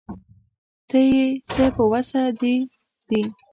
نه یې څه په وسه دي.